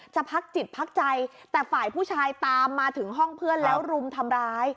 พักจิตพักใจแต่ฝ่ายผู้ชายตามมาถึงห้องเพื่อนแล้วรุมทำร้าย